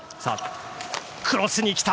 クロスに来た！